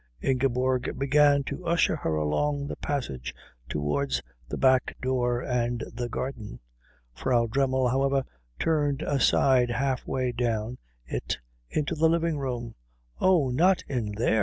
Ingeborg began to usher her along the passage towards the back door and the garden. Frau Dremmel, however, turned aside half way down it into the living room. "Oh, not in there!"